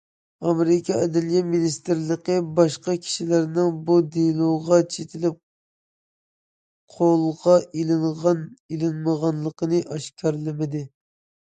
ئامېرىكا ئەدلىيە مىنىستىرلىقى باشقا كىشىلەرنىڭ بۇ دېلوغا چېتىلىپ قولغا ئىلىنغان ئېلىنمىغانلىقىنى ئاشكارىلىمىدى.